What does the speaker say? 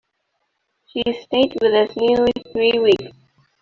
She stayed with us nearly three weeks.